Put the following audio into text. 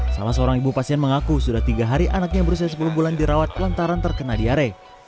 salah seorang ibu pasien mengaku sudah tiga hari anaknya berusia sepuluh bulan dirawat lantaran terkena diare